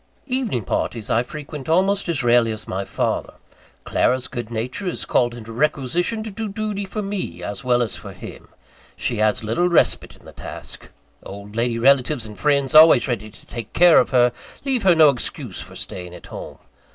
Evening parties I frequent almost as rarely as my father. Clara's good nature is called into requisition to do duty for me, as well as for him. She has little respite in the task. Old lady relatives and friends, always ready to take care of her, leave her no excuse for staying at home.